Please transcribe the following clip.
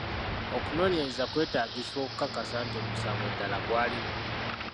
Okunoonyereza kwetaagisibwa okukakasa nti omusango ddala gwaliwo.